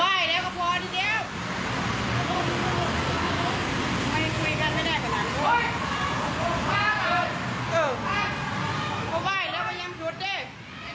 ไม่คุยกันไม่ได้กว่านั้น